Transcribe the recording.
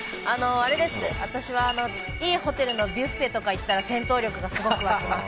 私は、いいホテルのビュッフェとか行ったら戦闘力がすごく湧きます。